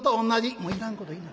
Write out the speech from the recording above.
「もういらんこと言いな。